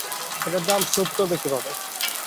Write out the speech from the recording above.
এটার দাম শোধ করবে কীভাবে?